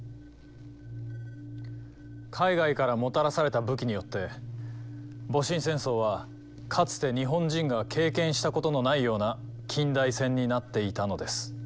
海外からもたらされた武器によって戊辰戦争はかつて日本人が経験したことのないような近代戦になっていたのです。